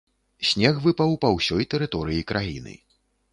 Снег выпаў па ўсёй тэрыторыі краіны.